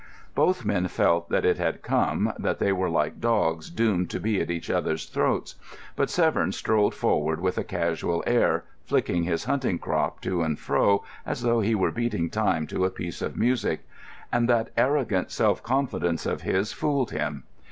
Both men felt that it had come, that they were like dogs doomed to be at each other's throats, but Severn strolled forward with a casual air, flicking his hunting crop to and fro as though he were beating time to a piece of music. And that arrogant self confidence of his fooled him.